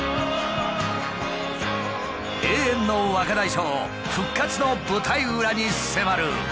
永遠の若大将復活の舞台裏に迫る！